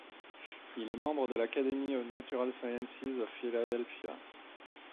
Il est membre de l’Academy of Natural Sciences of Philadelphia.